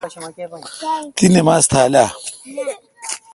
تی نماز تھال اہ؟